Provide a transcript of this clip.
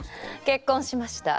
結婚しました。